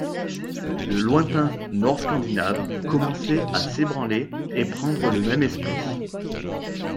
Le lointain Nord Scandinave commençait à s'ébranler et prendre le même esprit.